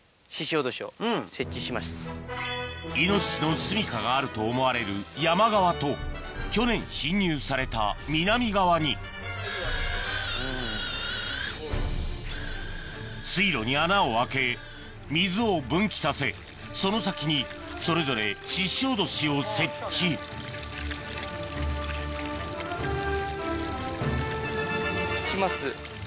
イノシシのすみかがあると思われる山側と去年侵入された南側に水路に穴を開け水を分岐させその先にそれぞれししおどしを設置行きます。